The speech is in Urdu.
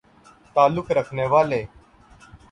تعلق رکھنے والے